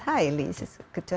hai elise baiklah anda di sini